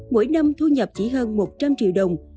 mỗi năm thu nhập chỉ hơn một trăm linh triệu đồng